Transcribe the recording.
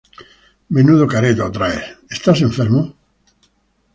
Menudo careto traes, ¿estás enfermo?